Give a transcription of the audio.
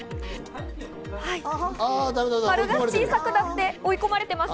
丸が小さくなって追い込まれています。